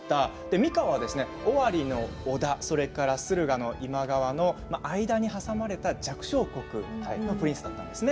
三河は尾張の織田それから駿河の今川との間に挟まれた弱小国ここのプリンスです。